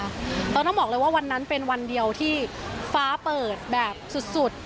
ต้องบอกเลยว่าวันนั้นเป็นวันเดียวที่ฟ้าเปิดแบบสุด